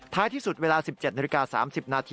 ท้ายที่สุดเวลา๑๗น๓๐น